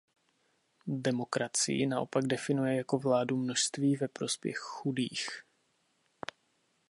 Demokracii naopak definuje jako vládu množství ve prospěch chudých.